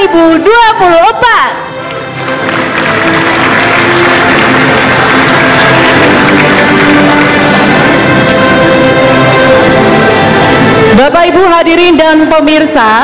bapak ibu hadirin dan pemirsa